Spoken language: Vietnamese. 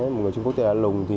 một người trung quốc tên là a lùng